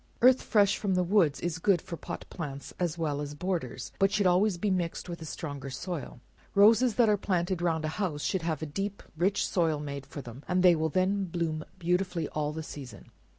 Earth fresh from the woods is good for pot plants, as well as borders, but should always be mixed with a stronger soil. Roses that are planted round a house, should have a deep and rich soil made for them, and they will then bloom beautifully all the season.